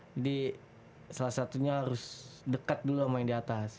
jadi salah satunya harus dekat dulu sama yang di atas